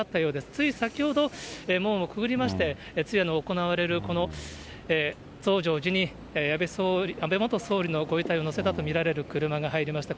つい先ほど、門をくぐりまして、通夜の行われるこの増上寺に、安倍元総理のご遺体を乗せたと見られる車が入りました。